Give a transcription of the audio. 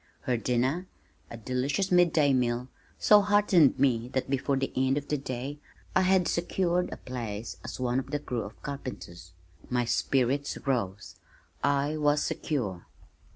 Her dinner a delicious mid day meal, so heartened me that before the end of the day, I had secured a place as one of a crew of carpenters. My spirits rose. I was secure.